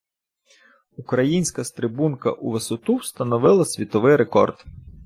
Українська стрибунка у висоту встановила світовий рекорд.